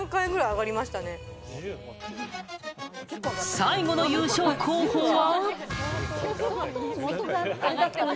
最後の優勝候補は。